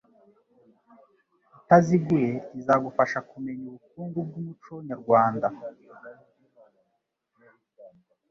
itaziguye izagufasha kumenya ubukungu bw'umuco nyarwanda